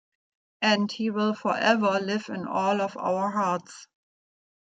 And he will forever live in all of our hearts.